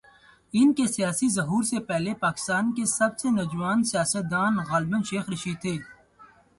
ان کے سیاسی ظہور سے پہلے، پاکستان کے سب سے "نوجوان سیاست دان" غالبا شیخ رشید تھے۔